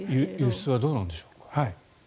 輸出はどうなんでしょうか。